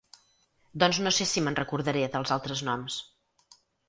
Doncs no sé si me'n recordaré dels altres noms.